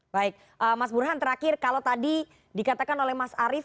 baik mas burhan terakhir kalau tadi dikatakan oleh mas arief